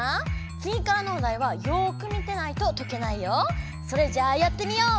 つぎからのおだいはよく見てないととけないよ。それじゃあやってみよう！